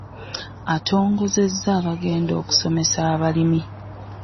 Atongozezza abagenda okusomesa abalimi.